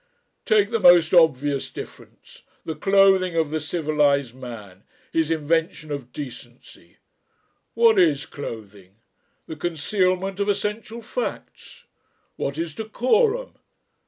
Take the most obvious difference the clothing of the civilised man, his invention of decency. What is clothing? The concealment of essential facts. What is decorum?